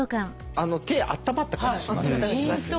手あったまった感じしません？